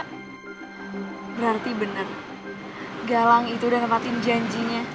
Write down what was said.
berarti benar galang itu udah nepetin janjinya